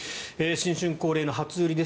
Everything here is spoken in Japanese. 新春恒例の初売りです